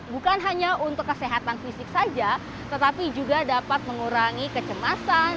bukan hanya untuk kesehatan fisik saja tetapi juga dapat mengurangi kecemasan